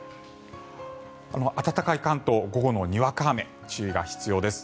暖かい関東、午後のにわか雨に注意が必要です。